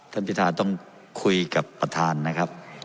พิธาต้องคุยกับประธานนะครับ